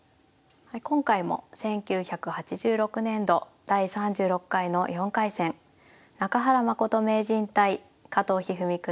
今回も１９８６年度第３６回の４回戦中原誠名人対加藤一二三九